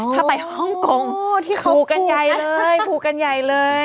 ถ้าไปฮ่องโกงผูกกันใหญ่เลยโอ้ยที่เขาผูกนะอาจารย์